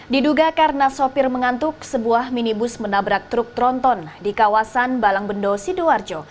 diduga karena sopir mengantuk sebuah minibus menabrak truk tronton di kawasan balangbendo sidoarjo